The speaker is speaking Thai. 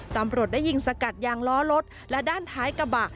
ตำรวจได้ยิงสกัดยางล้อรถและด้านท้ายกระบะ